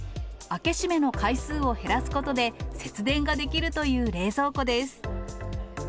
開け閉めの回数を減らすことで、節電ができるという冷蔵庫です。